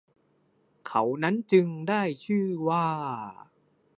เขานั้นจึง ได้ชื่อว่า